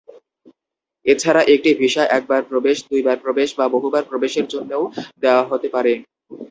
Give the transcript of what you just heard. এছাড়া একটি ভিসা একবার প্রবেশ, দুই বার প্রবেশ বা বহুবার প্রবেশের জন্যও দেয়া হতে পারে।